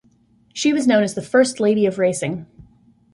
She was known as the first lady of racing.